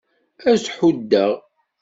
Ad t-huddeɣ.